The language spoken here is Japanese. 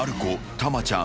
たまちゃん。